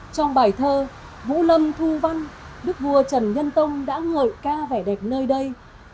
trong bài thơ vũ lâm thu văn đức vua trần nhân tông đã ngợi ca vẻ đẹp nơi đây